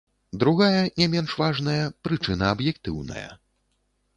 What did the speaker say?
Другая, не менш важная, прычына аб'ектыўная.